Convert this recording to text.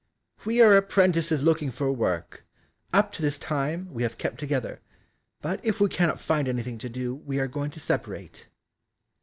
"We are apprentices looking for work; Up to this time we have kept together, but if we cannot find anything to do we are going to separate."